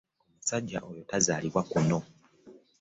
Omusajja oyo tazaalibwa kuno.